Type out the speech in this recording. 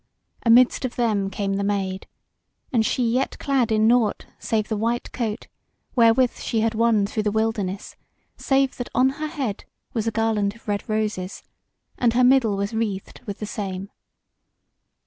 amidst of them came the Maid, and she yet clad in nought save the white coat wherewith she had won through the wilderness, save that on her head was a garland of red roses, and her middle was wreathed with the same.